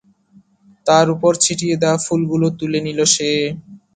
তার উপরে ছিটিয়ে দেয়া ফুলগুলো তুলে নিল সে।